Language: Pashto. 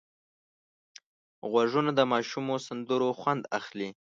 غوږونه د ماشومو سندرو خوند اخلي